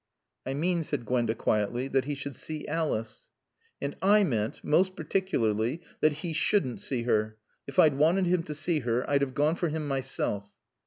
"I mean," said Gwenda quietly, "that he should see Alice." "And I meant most particularly that he shouldn't see her. If I'd wanted him to see her I'd have gone for him myself."